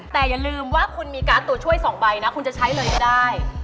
แต่อย่าลืมว่าคุณมีการ์ดตัวช่วย๒ใบนะคุณจะใช้เลยก็ได้